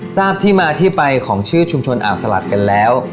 ทราบที่มาที่ไปของชื่อชุมชนอ่าวสลัดกันแล้ว